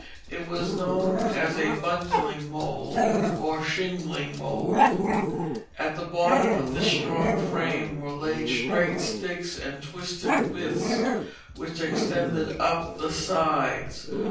It was known as a bundling mould or shingling mould. At the bottom of this strong frame were laid straight sticks and twisted withes which extended up the sides.